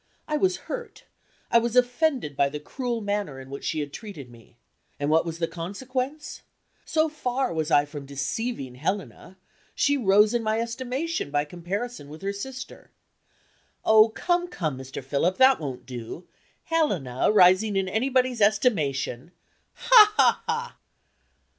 I was hurt I was offended by the cruel manner in which she had treated me. And what was the consequence? So far was I from deceiving Helena she rose in my estimation by comparison with her sister." "Oh, come, come, Mr. Philip! that won't do. Helena rising in anybody's estimation? Ha! ha! ha!"